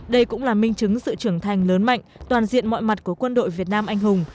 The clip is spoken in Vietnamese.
đây cũng là minh chứng sự trưởng thành lớn mạnh toàn diện mọi mặt của quân đội việt nam anh hùng